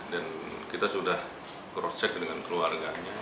dan kita sudah cross check dengan keluarganya